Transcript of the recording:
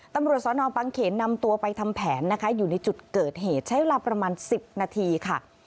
ตำรวจสนบังเขนนำตัวไปทำแผนนะคะอยู่ในจุดเกิดเหตุใช้เวลาประมาณ๑๐นาทีค่ะ